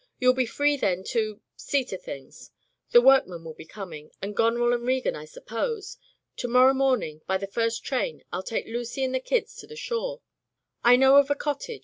You'll be free then to — ^see to things. The workmen will becoming — and Goneril and Regan, I suppose. To morrow morning, by the first train, FU take Lucy and the kids to the shore, I know of a cot tage.